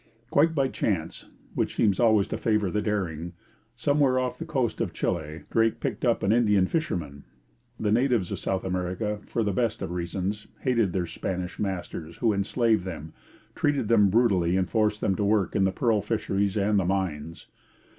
Quite by chance, which seems always to favour the daring, somewhere off the coast of Chile Drake picked up an Indian fisherman. The natives of South America, for the best of reasons, hated their Spanish masters, who enslaved them, treated them brutally, and forced them to work in the pearl fisheries and the mines.